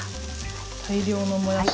大量のもやし。